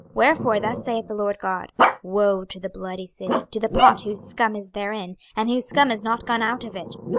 26:024:006 Wherefore thus saith the Lord GOD; Woe to the bloody city, to the pot whose scum is therein, and whose scum is not gone out of it!